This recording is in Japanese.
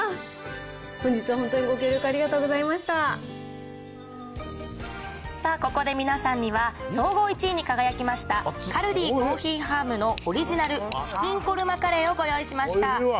本日は本当に、ご協力ありがとうございましさあ、ここで皆さんには、総合１位に輝きました、カルディコーヒーファームのオリジナルチキンコルマカレーをご用おいしいわ。